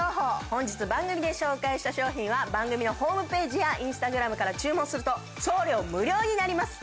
本日番組で紹介した商品は番組のホームページやＩｎｓｔａｇｒａｍから注文すると送料無料になります。